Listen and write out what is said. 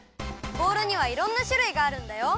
ボウルにはいろんなしゅるいがあるんだよ。